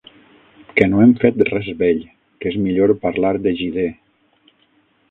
Que no hem fet res bell, que és millor parlar de Gidé.